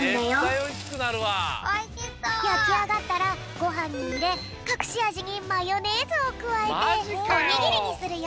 やきあがったらごはんにいれかくしあじにマヨネーズをくわえておにぎりにするよ！